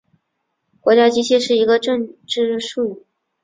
国家机器是一个政治术语。